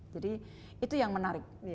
jadi itu yang menarik